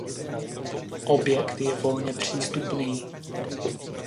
Objekt je volně přístupný.